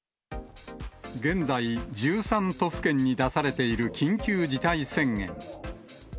現在、１３都府県に出されている緊急事態宣言。